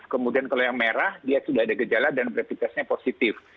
kemudian kalau yang merah dia sudah ada gejala dan rapid testnya positif